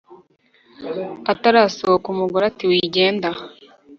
atarasohoka umugore ati"wigenda